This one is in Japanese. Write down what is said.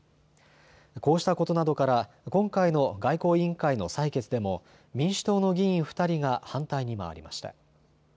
こうしたことなどから今回の外交委員会の採決でも民主党の議員２人が反対に回りました。